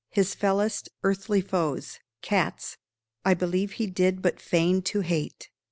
His fellest earthly foes Cats I believe he did but feign to hate.